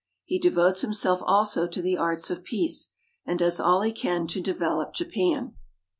He devotes himself also to the arts of peace, and does all he can to develop Japan.